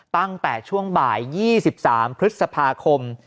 ตั้งแต่ช่วงบ่าย๒๓พฤษภาคม